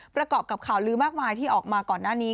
ประกอบกับข่าวลื้อมากมายที่ออกมาก่อนหน้านี้